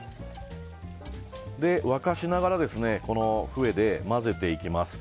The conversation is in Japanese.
沸かしながら上で混ぜていきます。